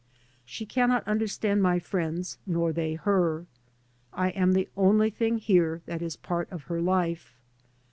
She cannot understand my friends, nor they her. I am the only thing here that is part of her life.